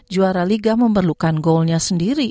juara liga memerlukan goalnya sendiri